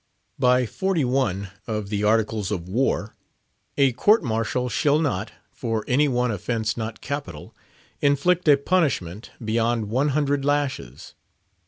By XLI. of the Articles of War, a court martial shall not "for any one offence not capital," inflict a punishment beyond one hundred lashes.